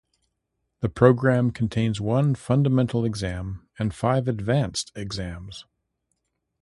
The program contains one fundamental exam and five advanced exams.